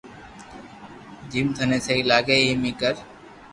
جويم ٿني سھي لاگي ايم اي ڪر